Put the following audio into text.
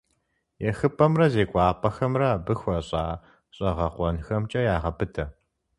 ЕхыпӀэмрэ зекӀуапӀэхэмрэ абы хуэщӀа щӀэгъэкъуэнхэмкӀэ ягъэбыдэ.